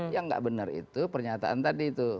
yang nggak benar itu pernyataan tadi itu